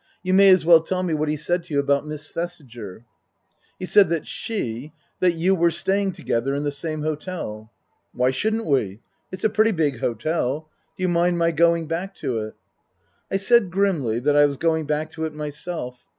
You may as well tell me what he said to you about Miss Thesiger." " He said that she that you were staying together in the same hotel." " Why shouldn't we ? It's a pretty big hotel. Do you mind my going back to it ?" I said grimly that I was going back to it myself.